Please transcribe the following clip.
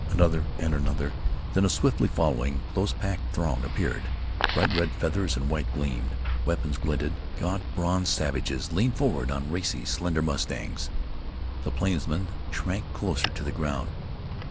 Another and another, then a swiftly following, close packed throng appeared. Bright red feathers and white gleamed; weapons glinted; gaunt, bronzed savage leaned forward on racy, slender mustangs. The plainsman shrank closer to the ground.